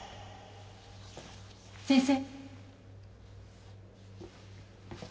先生。